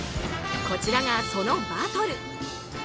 こちらが、そのバトル。